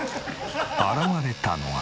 現れたのは。